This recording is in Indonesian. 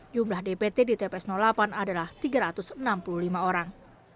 jumlah dpt di tps delapan adalah tiga ratus enam puluh lima orang